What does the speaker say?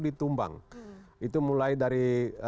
ditumbang itu mulai dari